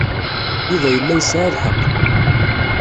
Yuba yella yesɛa lḥeqq.